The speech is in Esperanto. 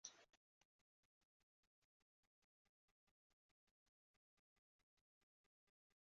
Ĉiuj sesioj alvokas la prezidanto.